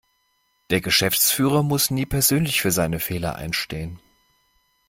Der Geschäftsführer muss nie persönlich für seine Fehler einstehen.